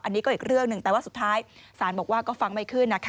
อันนี้ก็อีกเรื่องหนึ่งแต่ว่าสุดท้ายศาลบอกว่าก็ฟังไม่ขึ้นนะคะ